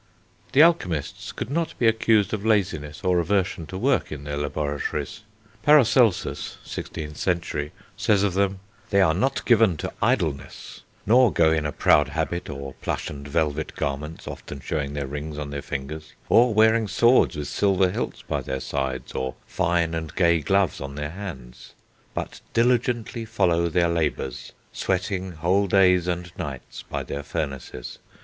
The alchemists could not be accused of laziness or aversion to work in their laboratories. Paracelsus (16th century) says of them: "They are not given to idleness, nor go in a proud habit, or plush and velvet garments, often showing their rings on their fingers, or wearing swords with silver hilts by their sides, or fine and gay gloves on their hands; but diligently follow their labours, sweating whole days and nights by their furnaces.